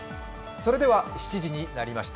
それでは７時になりました。